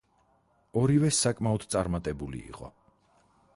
ორივე საკმაოდ წარმატებული იყო.